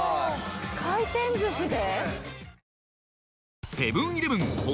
回転寿司で？